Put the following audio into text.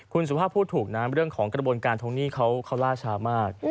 คุณสุภาพพูดถูกนะเรื่องของกระบวนการทวงหนี้เขาล่าช้ามาก